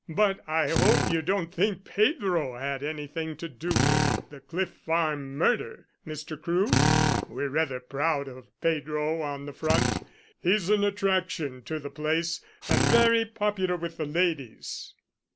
But I hope you don't think Pedro had anything to do with the Cliff Farm murder, Mr. Crewe? We're rather proud of Pedro on the front, he's an attraction to the place, and very popular with the ladies."